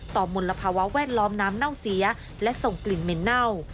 มลภาวะแวดล้อมน้ำเน่าเสียและส่งกลิ่นเหม็นเน่า